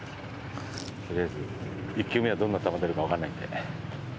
とりあえず１球目はどんな球出るかわからないんで。